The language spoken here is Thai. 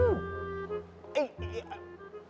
เหรอ